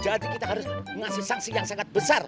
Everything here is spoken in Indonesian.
jadi kita harus ngasih saksi yang sangat besar